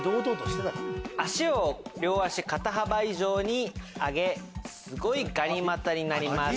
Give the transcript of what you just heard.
足を両足肩幅以上に上げすごいがに股になります。